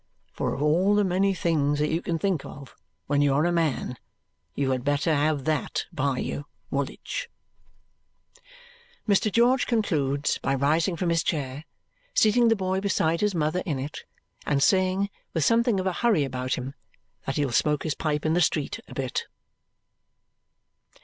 For of all the many things that you can think of when you are a man, you had better have THAT by you, Woolwich!" Mr. George concludes by rising from his chair, seating the boy beside his mother in it, and saying, with something of a hurry about him, that he'll smoke his pipe in the street a bit.